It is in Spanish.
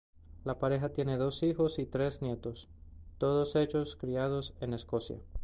La pareja tiene dos hijos y tres nietos, todos ellos criados en Escocia.